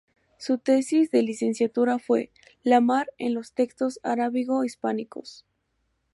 Su tesis de licenciatura fue "La mar en los textos arábigo-hispánicos.